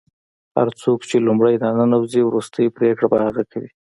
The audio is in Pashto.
هر څوک چې لومړی راننوځي وروستۍ پرېکړه به هغه کوي.